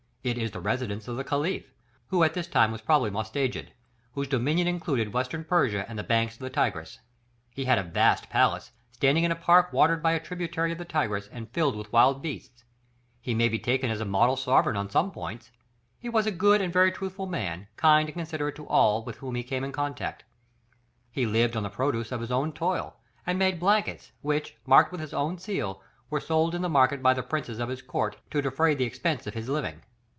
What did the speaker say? It is the residence of the Caliph, who at this time was probably Mostaidjed, whose dominion included western Persia and the banks of the Tigris. He had a vast palace, standing in a park watered by a tributary of the Tigris and filled with wild beasts, he may be taken as a model sovereign on some points; he was a good and very truthful man, kind and considerate to all with whom he came in contact. He lived on the produce of his own toil, and made blankets, which, marked with his own seal, were sold in the market by the princes of his court, to defray the expense of his living.